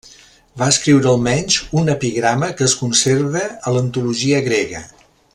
Va escriure almenys un epigrama que es conserva a l'antologia grega.